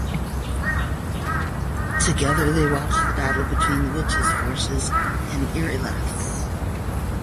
Together they watch the battle between the Witch's forces and Irrylath's.